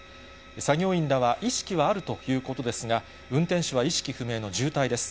作業員らは意識はあるということですが、運転手は意識不明の重体です。